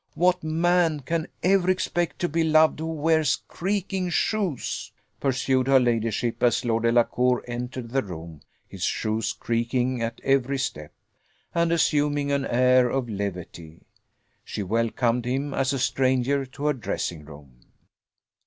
What man can ever expect to be loved who wears creaking shoes?" pursued her ladyship, as Lord Delacour entered the room, his shoes creaking at every step; and assuming an air of levity, she welcomed him as a stranger to her dressing room.